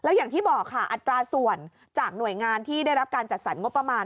อย่างที่บอกค่ะอัตราส่วนจากหน่วยงานที่ได้รับการจัดสรรงบประมาณ